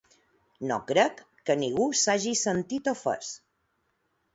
No crec que ningú s'hagi sentit ofès.